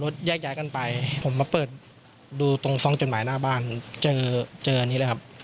ใช่คือเปิดกระจกมาพูดกับเราเลย